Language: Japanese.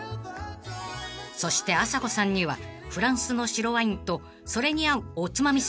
［そしてあさこさんにはフランスの白ワインとそれに合うおつまみセット］